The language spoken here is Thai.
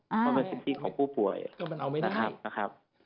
เพราะเป็นสิทธิของผู้ป่วยนะครับ